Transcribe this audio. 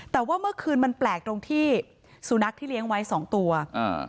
แต่ว่าเมื่อคืนมันแปลกตรงที่สุนัขที่เลี้ยงไว้สองตัวอ่า